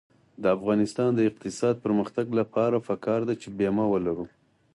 د افغانستان د اقتصادي پرمختګ لپاره پکار ده چې بیمه ولرو.